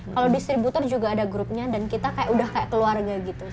kalau distributor juga ada grupnya dan kita kayak udah kayak keluarga gitu